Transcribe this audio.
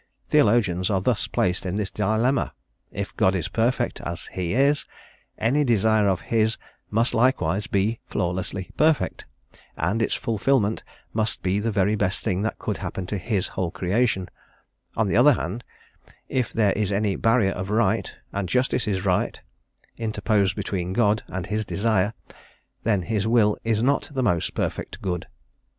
Theologians are thus placed in this dilemma: if God is perfect as He is any desire of His must likewise be flawlessly perfect, and its fulfilment must be the very best thing that could happen to His whole creation; on the other hand, if there is any barrier of right and Justice is right interposed between God and His desire, then His Will is not the most perfect Good.